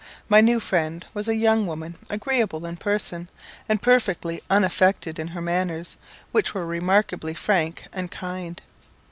My new friend was a young woman agreeable in person, and perfectly unaffected in her manners, which were remarkably frank and kind.